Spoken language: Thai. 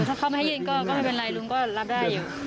ถ้าเขาไม่ให้ยื่นก็ไม่เป็นไรลุงก็รับได้อยู่